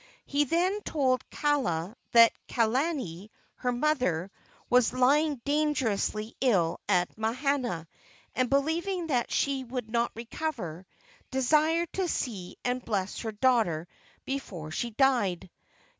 He then told Kaala that Kalani, her mother, was lying dangerously ill at Mahana, and, believing that she would not recover, desired to see and bless her daughter before she died.